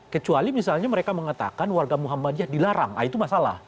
kecuali misalnya mereka mengatakan warga muhammadiyah dilarang itu masalah